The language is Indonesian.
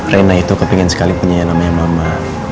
reina itu kepengen sekali punya yang namanya mama